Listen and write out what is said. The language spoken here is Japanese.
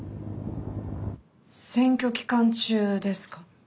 選挙期間中ですか？